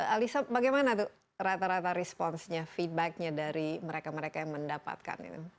alisa bagaimana rata rata responsnya feedbacknya dari mereka mereka yang mendapatkan itu